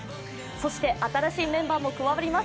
そして新しいメンバーも加わります